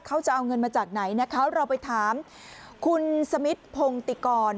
เขาจะเอาเงินมาจากไหนนะคะเราไปถามคุณสมิทพงติกร